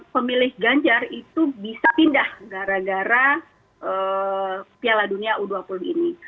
pemilih ganjar itu bisa pindah gara gara piala dunia u dua puluh ini